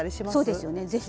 そうですよね是非。